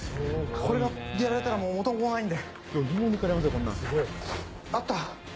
これでやられたら元も子もないので。